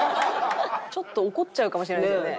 ちょっと怒っちゃうかもしれないですね。